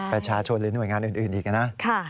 ประชาชนหรือหน่วยงานอื่นอีกนะ